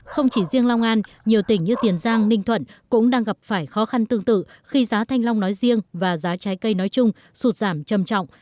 không chỉ riêng long an nhiều tỉnh như tiền giang ninh thuận cũng đang gặp phải khó khăn tương tự khi giá thanh long nói riêng và giá trái cây nói chung sụt giảm chầm trọng